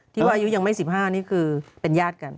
ที่ว่าอายุยังไม่๑๕นี่คือเป็นญาติกัน